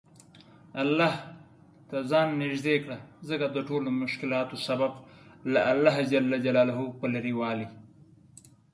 الله ته ځان نیژدې کړه ځکه دټولومشکلاتو سبب له الله ج په لرې والي